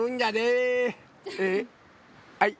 はい。